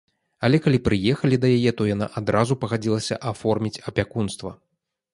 Але калі прыехалі да яе, то яна адразу пагадзілася аформіць апякунства.